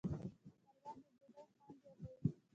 ښوروا د ډوډۍ خوند زیاتوي.